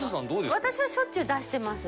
私はしょっちゅう出してます。